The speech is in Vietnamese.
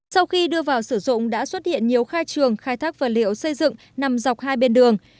sau khi đưa vào sử dụng đã xuất hiện nhiều khai trường khai thác vật liệu xây dựng nằm dọc hai bên đường